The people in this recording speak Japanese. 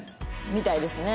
みたいですね。